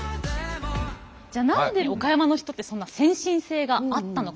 じゃあ何で岡山の人ってそんな先進性があったのか？